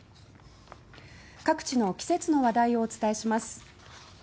各地の季節の話題をお伝えします。